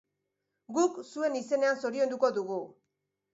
Guk zuen izenean zorionduko dugu!